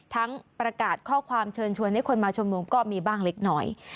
ทั้งประกาศข้อความเชิญชวนให้คนมาชุมนุมก็มีบ้างเล็กหน่อย